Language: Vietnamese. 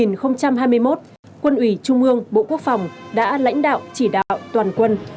năm hai nghìn hai mươi một quân ủy trung ương bộ quốc phòng đã lãnh đạo chỉ đạo toàn quân